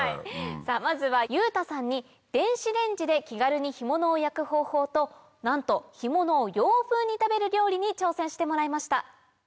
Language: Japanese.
まずは裕太さんに電子レンジで気軽に干物を焼く方法となんと干物を洋風に食べる料理に挑戦してもらいました。